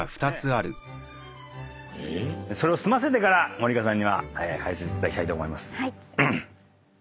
それを済ませてから森川さんには解説いただきたいと思います。